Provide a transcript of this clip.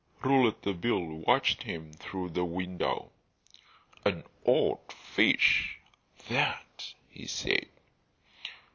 Rouletabille watched him through the window. "An odd fish, that!" he said.